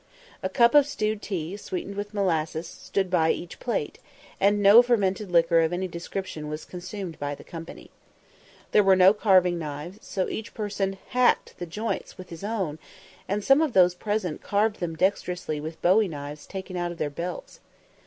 A cup of stewed tea, sweetened with molasses, stood by each plate, and no fermented liquor of any description was consumed by the company. There were no carving knives, so each person hacked the joints with his own, and some of those present carved them dexterously with bowie knives taken out of their belts.